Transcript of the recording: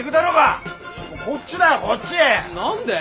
何で？